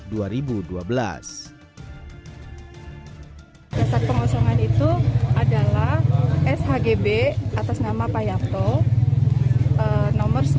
dasar pengosongan itu adalah shgb atas nama pak yapto nomor seribu dan seribu seratus